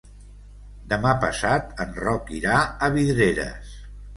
Demà passat en Roc irà a Vidreres.